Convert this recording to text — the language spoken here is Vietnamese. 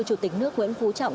chủ tịch nước nguyễn phú trọng